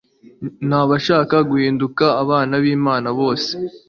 n'abashaka guhinduka abana b'Imana bose.